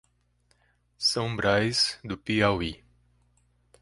São Braz do Piauí